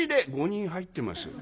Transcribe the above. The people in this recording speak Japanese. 「５人入ってます」。